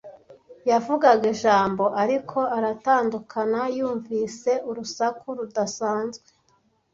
Yavugaga ijambo, ariko aratandukana yumvise urusaku rudasanzwe.